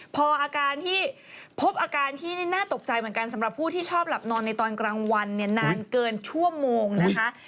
พออาการที่พบอาการที่น่าตกใจเหมือนกันสำหรับผู้ที่ชอบหลับนอนในตอนกลางวันเนี่ยนานเกินชั่วโมงนะคะ